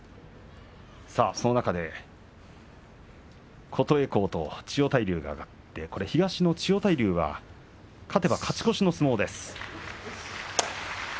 その中で琴恵光と千代大龍が上がって東の千代大龍は勝てば勝ち越しという相撲です。